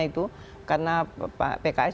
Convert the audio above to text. itu karena pks